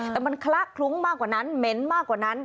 แต่มันคละคลุ้งมากกว่านั้นเหม็นมากกว่านั้น